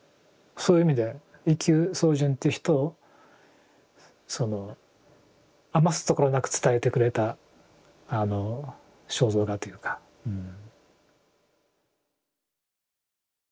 そういう意味で一休宗純って人をその余すところなく伝えてくれたあの肖像画というかうん。